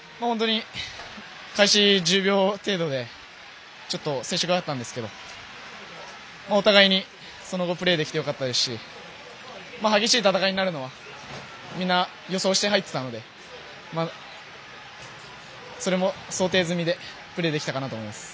開始１０秒程度で接触があったんですけどお互いにその後プレーできてよかったですし激しい戦いになるのはみんな予想して入っていたのでそれも想定済みでプレーできたかなと思います。